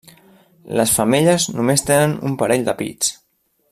Les femelles només tenen un parell de pits.